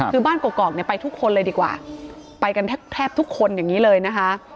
คือบ้านกรอกเนี่ยไปทุกคนเลยดีกว่าไปกันแทบทุกคนอย่างนี้เลยนะคะ